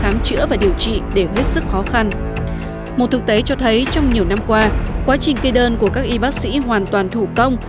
một thực tế cho thấy trong nhiều năm qua quá trình kê đơn của các y bác sĩ hoàn toàn thủ công